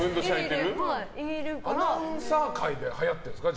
アナウンサー界で流行ってるんですか？